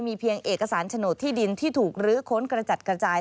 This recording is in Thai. เพียงเอกสารโฉนดที่ดินที่ถูกลื้อค้นกระจัดกระจาย